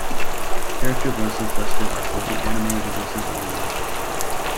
Character voices listed are for the anime releases only.